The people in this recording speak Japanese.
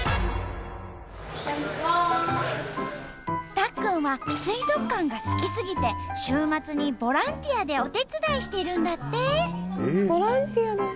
たっくんは水族館が好きすぎて週末にボランティアでお手伝いしてるんだって。